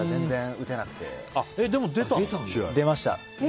出ました。